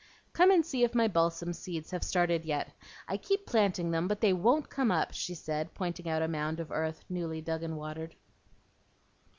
"Come and see if my balsam seeds have started yet. I keep planting them, but they WON'T come up," she said, pointing out a mound of earth newly dug and watered.